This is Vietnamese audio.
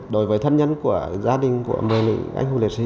đối với thân nhân của gia đình của một mươi nữ anh hùng liệt sĩ